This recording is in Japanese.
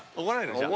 じゃあ。